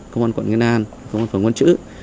công an quận nguyên an công an phường quán chữ